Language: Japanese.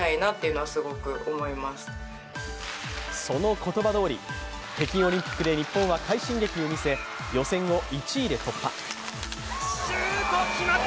その言葉どおり、北京オリンピックで日本は快進撃を見せ予選を１位で突破。